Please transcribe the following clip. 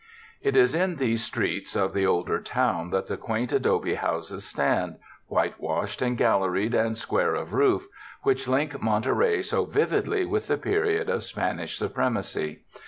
It is in these streets of the older town that the quaint adobe houses stand, whitewashed and galleried and square of roof, which link Monterey so vividly with the period of Spanish supremacy.